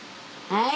はい。